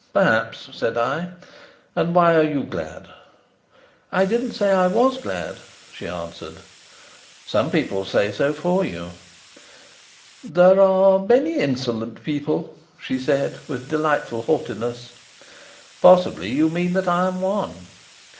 Perhaps," said I. "And why are you glad?" "I didn't say I was glad," she answered. "Some people say so for you." "There are many insolent people," she said, with delightful haughtiness. "Possibly you mean that I am one?"